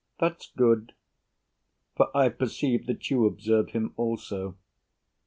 That's good; For I perceive that you observe him also.